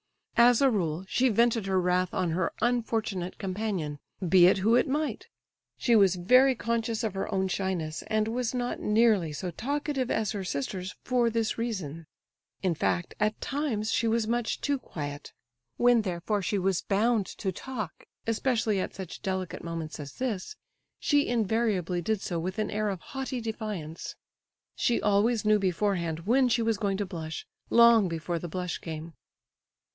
As a rule, she vented her wrath on her unfortunate companion, be it who it might. She was very conscious of her own shyness, and was not nearly so talkative as her sisters for this reason—in fact, at times she was much too quiet. When, therefore, she was bound to talk, especially at such delicate moments as this, she invariably did so with an air of haughty defiance. She always knew beforehand when she was going to blush, long before the blush came.